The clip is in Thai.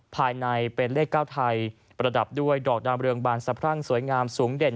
ภายในเป็นเลข๙ไทยประดับด้วยดอกดามเรืองบานสะพรั่งสวยงามสูงเด่น